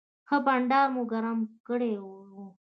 ښه بنډار مو ګرم کړی و.